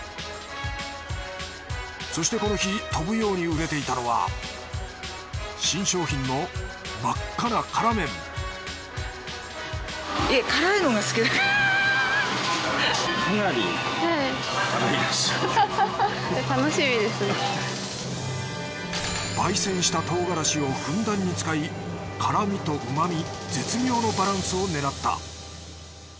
そしてこの日飛ぶように売れていたのは新商品の真っ赤な辛麺焙煎した唐辛子をふんだんに使い辛みと旨み絶妙のバランスを狙った。